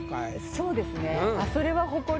そうですね。